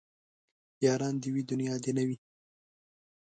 ياران دي وي دونيا دي نه وي